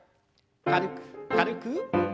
軽く軽く。